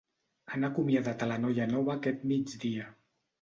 Han acomiadat a la noia nova aquest migdia.